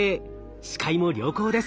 視界も良好です。